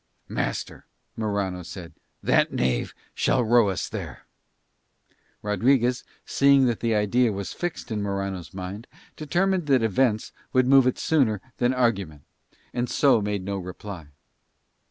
"Master," Morano said, "that knave shall row us there." Rodriguez seeing that the idea was fixed in Morano's mind determined that events would move it sooner than argument, and so made no reply.